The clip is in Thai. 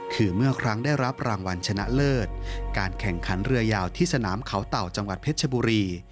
คือเมื่อครั้งได้รับรางวัลชนะเลิศการแข่งขันเรือยาวที่สนามเขาเต่าจังหวัดเพชรชบุรี